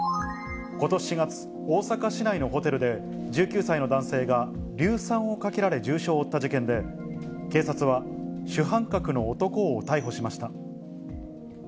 ことし４月、大阪市内のホテルで、１９歳の男性が硫酸をかけられ重傷を負った事件で、警察は主犯格の男を逮捕しました。